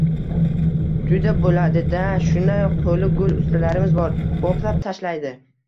— Juda bo‘ladi-da! Shunday qo‘li gul ustalarimiz bor, boplab tashlaydi.